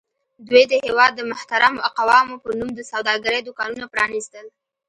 دوی د هېواد د محترمو اقوامو په نوم د سوداګرۍ دوکانونه پرانیستل.